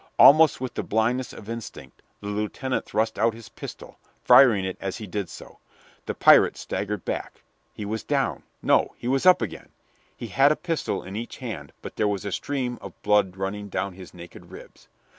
Almost with the blindness of instinct the lieutenant thrust out his pistol, firing it as he did so. The pirate staggered back: he was down no; he was up again. He had a pistol in each hand; but there was a stream of blood running down his naked ribs.